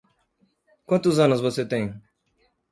Quantos anos você tem?